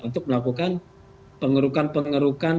untuk melakukan pengerukan pengerukan